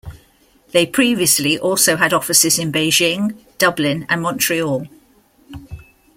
They previously also had offices in Beijing, Dublin and Montreal.